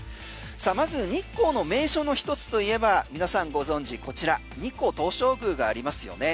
まず日光の名勝の一つといえば皆さんご存知日光東照宮がありますよね